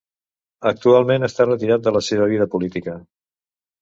Actualment està retirat de la seva vida política.